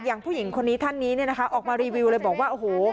ผู้หญิงคนนี้ท่านนี้เนี่ยนะคะออกมารีวิวเลยบอกว่าโอ้โห